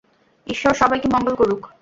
ঈশ্বর সবাইকে মঙ্গল করুক।